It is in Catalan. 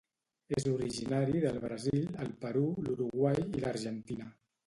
És originari del Brasil, el Perú, l'Uruguai i l'Argentina.